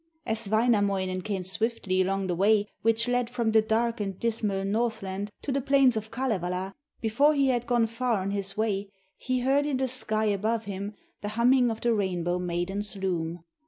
As Wainamoinen came swiftly along the way which led from the dark and dismal Northland to the plains of Kalevala, before he had gone far on his way he heard in the sky above him the humming of the Rainbow maiden's loom.